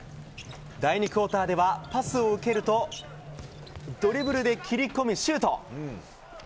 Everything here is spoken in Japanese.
第２クオーターではパスを受けるとドリブルで切り込み、シュート。